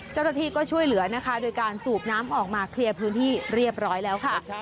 เจ้าหน้าที่ก็ช่วยเหลือนะคะโดยการสูบน้ำออกมาเคลียร์พื้นที่เรียบร้อยแล้วค่ะ